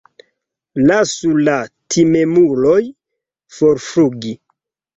Lasu la timemulojn forflugi.